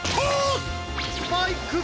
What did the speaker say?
スパイク！